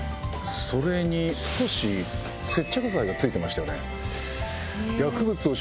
それに少し接着剤がついてましたよね。